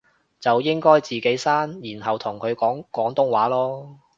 就應該自己生然後同佢講廣東話囉